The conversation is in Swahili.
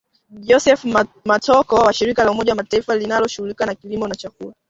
Joseph Mathooko wa Shirika la Umoja wa Mataifa linalohusika na Kilimo na Chakula